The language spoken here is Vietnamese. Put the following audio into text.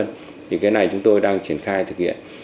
thì cái này chúng tôi đang triển khai thực hiện